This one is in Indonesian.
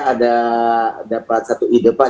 ada dapat satu ide pak